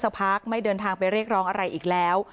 พักไม่เดินทางไปเรียกร้องอะไรอีกแล้ว